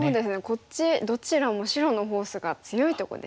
こっちどちらも白のフォースが強いとこでしたしね。